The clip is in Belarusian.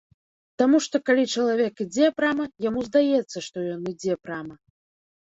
Таму што калі чалавек ідзе прама, яму здаецца, што ён ідзе прама.